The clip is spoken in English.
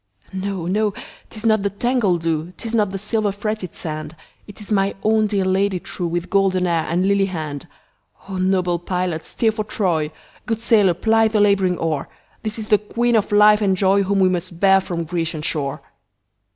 No! no! 'tis not the tangled dew,'Tis not the silver fretted sand, It is my own dear Lady trueWith golden hair and lily hand!O noble pilot steer for Troy, Good sailor ply the labouring oar, This is the Queen of life and joyWhom we must bear from Grecian shore!